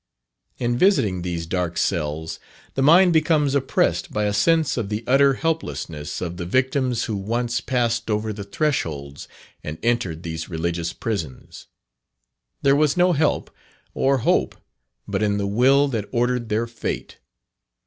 In visiting these dark cells, the mind becomes oppressed by a sense of the utter helplessness of the victims who once passed over the thresholds and entered these religious prisons. There was no help or hope but in the will that ordered their fate.